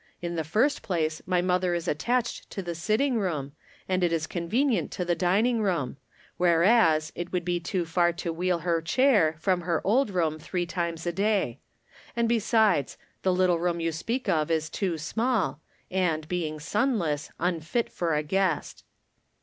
In the first place, my mother is attached to the sitting room, and it is convenient to the dining room ; whereas, it would be too far to wheel her chair from her old room three times a day. And, besides, the little room you speak of is too small, and, being sunless, un fit for a guest."